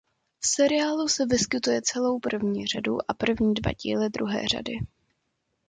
V seriálu se vyskytuje celou první řadu a první dva díly druhé řady.